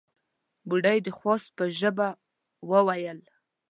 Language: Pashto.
بوډۍ د خواست په ژبه وويل: